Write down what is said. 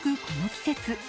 この季節。